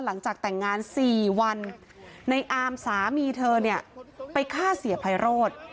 หลังจากแต่งงาน๔วันในอามสามีเธอเนี่ยไปฆ่าเสียไพโรธ